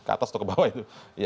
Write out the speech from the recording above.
keatas atau kebawah itu